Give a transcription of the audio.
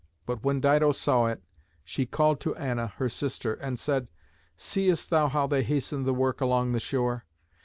But when Dido saw it she called to Anna, her sister, and said, "Seest thou how they hasten the work along the shore?